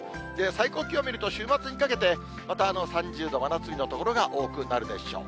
最高気温見ると、週末にかけてまた３０度、真夏日の所が多くなるでしょう。